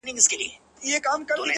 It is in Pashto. • د پیرانو په خرقوکي شیطانان دي ,